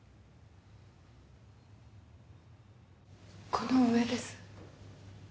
この上です。